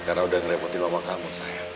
karena udah ngerepotin mama kamu sayang